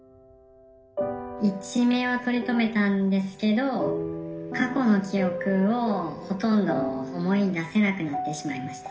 一命は取り留めたんですけど過去の記憶をほとんど思い出せなくなってしまいました。